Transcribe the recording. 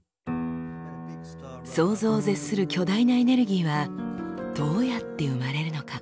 想像を絶する巨大なエネルギーはどうやって生まれるのか？